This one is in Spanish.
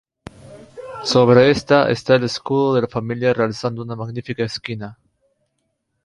Sobre esta está el escudo de la familia realzando una magnífica esquina.